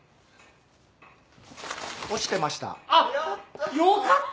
落ちてました。